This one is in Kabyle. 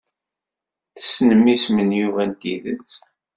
Tessnem isem n Yuba n tidet?